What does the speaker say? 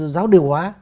giáo điều hóa